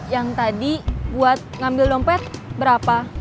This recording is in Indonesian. yang tadi buat ngambil dompet berapa